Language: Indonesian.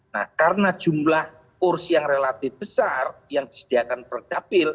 nah karena jumlah kursi yang relatif besar yang disediakan perdapil